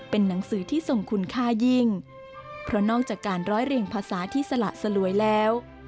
เป็นหนังสือที่ทรงคุณค่ายิ่งเพราะนอกจากการร้อยเรียงภาษาที่สละสลวยแล้ว